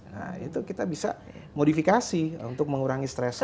nah itu kita bisa modifikasi untuk mengurangi stres